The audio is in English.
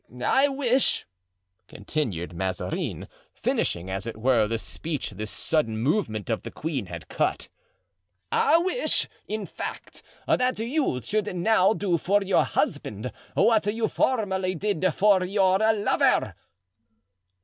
"I wish," continued Mazarin, finishing, as it were, the speech this sudden movement of the queen had cut; "I wish, in fact, that you should now do for your husband what you formerly did for your lover."